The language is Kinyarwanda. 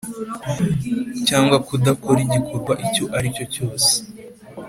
Cyangwa kudakora igikorwa icyo aricyo cyose